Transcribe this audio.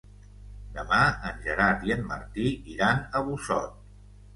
Demà en Gerard i en Martí iran a Busot.